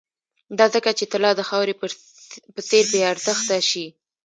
دا ځکه چې طلا د خاورې په څېر بې ارزښته شي